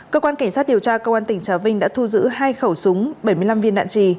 cơ quan cảnh sát điều tra cơ quan tỉnh trà vinh đã thu giữ hai khẩu súng bảy mươi năm viên nạn trì